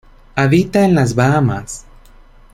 Habita en las Bahamas.